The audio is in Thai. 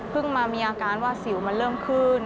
มามีอาการว่าสิวมันเริ่มขึ้น